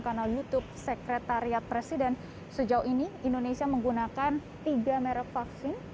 karena youtube sekretariat presiden sejauh ini indonesia menggunakan tiga merek vaksin